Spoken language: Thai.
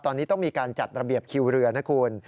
ตอนนี้ต้องมีการจัดระเบียบคิวเรือนะคุณ